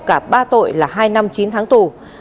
cả ba tội là hai năm chín tháng tù